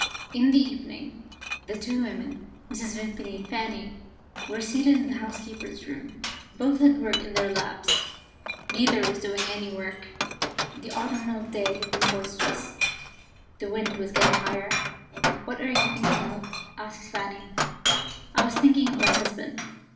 In the evening, the two women Mrs. Vimpany and Fanny were seated in the housekeeper's room. Both had work in their laps: neither was doing any work. The autumnal day had been boisterous; the wind was getting higher. "What are you thinking of?" asked Fanny. "I was thinking of my husband.